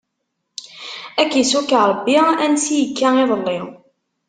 Ad k-issukk Ṛebbi ansi ikka iḍelli!